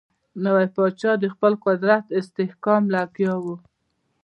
نوی پاچا د خپل قدرت استحکام لګیا وو.